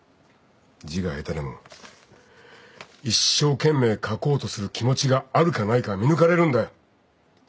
字が下手でも一生懸命書こうとする気持ちがあるかないかは見抜かれるんだよ。